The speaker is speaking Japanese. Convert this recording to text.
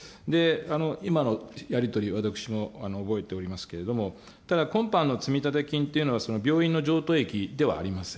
今のやり取り、私も覚えておりますけれども、ただ、今般の積立金というのは病院の譲渡益ではありません。